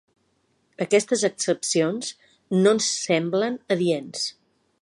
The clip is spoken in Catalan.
Aquestes excepcions no ens semblen adients.